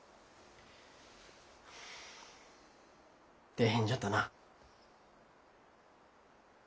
大変じゃったなあ。